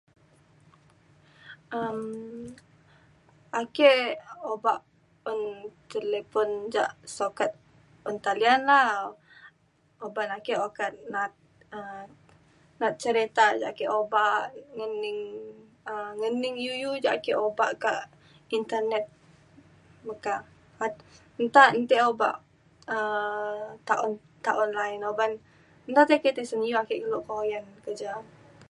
um ake obak un telefon ja sukat un talian la uban ake ukat na’at um na’at cerita ja ake obak ngening um ngening iu iu ja ake obak kak internet meka. nta ake obak um ta on- ta online uban nta te ake tisen iu kak uyan ke ja